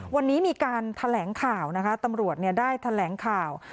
วันนี้มีการแถลงข่าวนะคะตำรวจได้แถลงข่าว